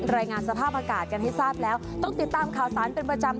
รายงานสภาพอากาศกันให้ทราบแล้วต้องติดตามข่าวสารเป็นประจำ